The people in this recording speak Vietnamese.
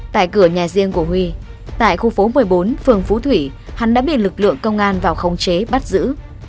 tại cửa nhà riêng của huy tại khu phố một mươi bốn phường phú thủy hắn đã bị lực lượng công an vào khống chế bắt giữ